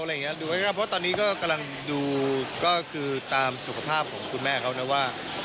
เพราะตอนนี้ก็กำลังดูก็คือตามสุขภาพของคุณแม่เขานะว่า